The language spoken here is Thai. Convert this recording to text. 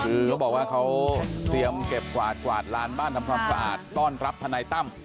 คือเขาบอกว่าเขาเตรียมเก็บกวาดกวาดลานบ้านทำความสะอาดต้อนรับทนายตั้ม